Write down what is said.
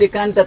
itu kan pidan